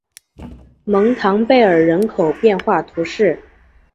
蒙唐贝尔人口变化图示